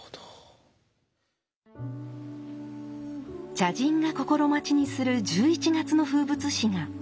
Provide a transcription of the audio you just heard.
茶人が心待ちにする１１月の風物詩がもうひとつ。